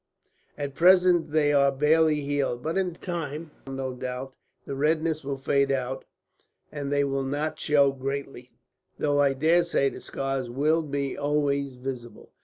"At present they are barely healed; but in time, no doubt, the redness will fade out, and they will not show greatly, though I daresay the scars will be always visible."